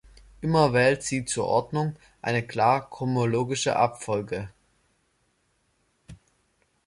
Immer wählt sie zur Ordnung eine klar chronologische Abfolge.